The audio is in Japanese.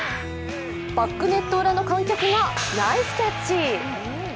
バックネット裏の観客がナイスキャッチ。